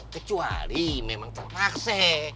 kecuali memang terpaksa